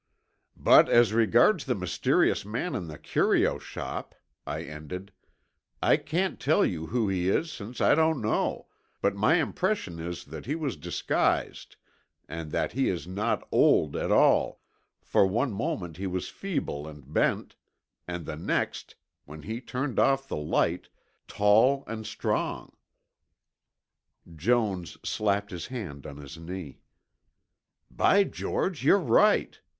"But as regards the mysterious man in the curio shop," I ended, "I can't tell you who he is since I don't know, but my impression is that he was disguised and that he is not old at all, for one moment he was feeble and bent, and the next, when he turned off the light, tall and strong." Jones slapped his hand on his knee. "By George, you're right.